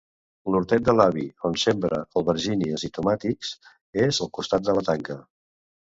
L'hortet de l'avi, on sembra albergínies i tomàtics, és al costat de la tanca.